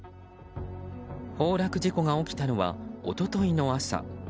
崩落事故が起きたのは一昨日の朝。